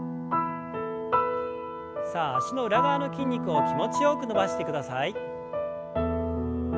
さあ脚の裏側の筋肉を気持ちよく伸ばしてください。